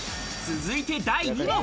続いて第２問。